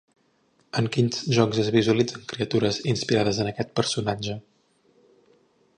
En quins jocs es visualitzen criatures inspirades en aquest personatge?